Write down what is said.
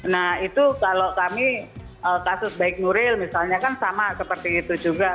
nah itu kalau kami kasus baik nuril misalnya kan sama seperti itu juga